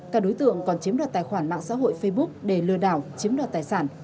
các đối tượng còn chiếm đoạt tài khoản mạng xã hội facebook để lừa đảo chiếm đoạt tài sản